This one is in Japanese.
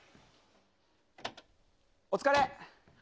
お疲れ。